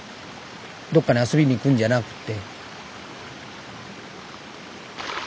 どっかに遊びに行くんじゃなくて。